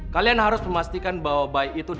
kalian harus memastikan bahwa bayi itu